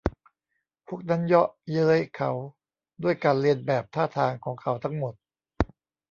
พวกนั้นเยาะเย้ยเขาด้วยการเลียนแบบท่าทางของเขาทั้งหมด